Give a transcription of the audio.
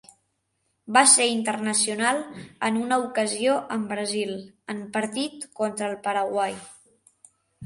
Va ser internacional en una ocasió amb Brasil, en partit contra el Paraguai.